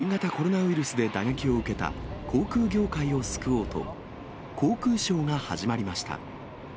週末、新型コロナウイルスで打撃を受けた航空業界を救おうと、航空ショーが始まりました。